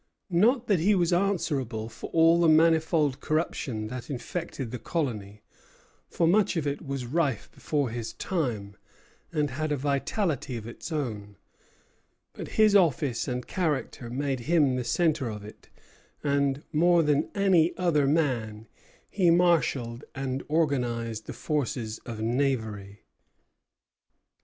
Not that he was answerable for all the manifold corruption that infected the colony, for much of it was rife before his time, and had a vitality of its own; but his office and character made him the centre of it, and, more than any other man, he marshalled and organized the forces of knavery.